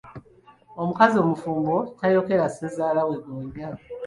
Omukazi omufumbo tayokera ssezaala we gonja.